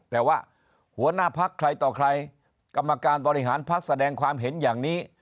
แต่ว่าหัวหน้าพักใครต่อใครกรรมการบริหารพักแสดงความเห็นอย่างนี้